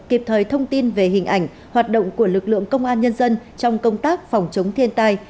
kịp thời thông tin về hình ảnh hoạt động của lực lượng công an nhân dân trong công tác phòng chống thiên tai